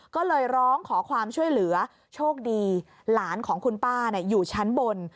ก็เลยร้องขอความช่วยเหลือโชคดีหลานของคุณป้าอยู่ชั้นบน